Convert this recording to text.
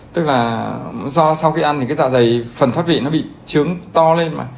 tức là do sau khi ăn thì cái dạ dày phần thoát vị nó bị trướng to lên mà